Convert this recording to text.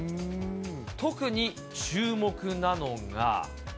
特に、注目なのが。